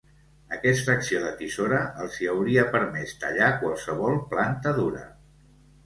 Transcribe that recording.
Aquesta acció de tisora els hi hauria permès tallar qualsevol planta dura.